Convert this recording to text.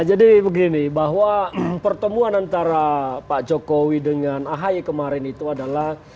jadi begini bahwa pertemuan antara pak jokowi dengan ahai kemarin itu adalah